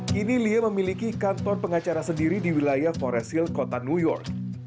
kini lya memiliki kantor pengacara sendiri di wilayah forest hill kota new york